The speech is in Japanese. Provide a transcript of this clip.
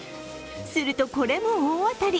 すると、これも大当たり！